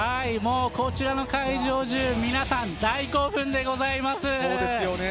こちらの会場中、皆さん、大興奮でございます。